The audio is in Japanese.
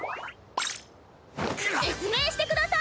説明してください！